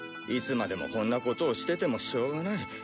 いつまでもこんなことをしててもしょうがない。